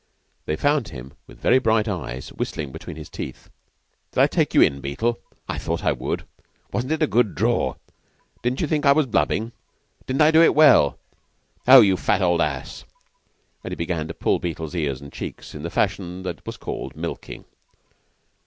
They found him, with very bright eyes, whistling between his teeth. "Did I take you in, Beetle? I thought I would. Wasn't it a good draw? Didn't you think I was blubbin'? Didn't I do it well? Oh, you fat old ass!" And he began to pull Beetle's ears and checks, in the fashion that was called "milking."